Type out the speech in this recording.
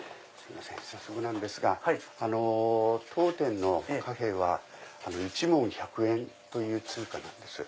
早速なんですが当店の貨幣は１文１００円という通貨なんです。